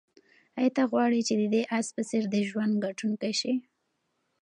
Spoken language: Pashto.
آیا ته غواړې چې د دې آس په څېر د ژوند ګټونکی شې؟